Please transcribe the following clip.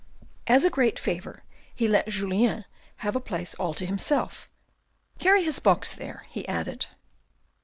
As a great favour he let Julien have a place all to himself. " Carry his box there," he added.